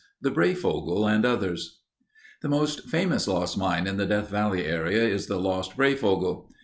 The Breyfogle and Others The most famous lost mine in the Death Valley area is the Lost Breyfogle.